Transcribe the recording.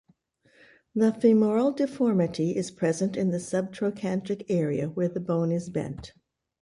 The femoral deformity is present in the subtrochantric area where the bone is bent.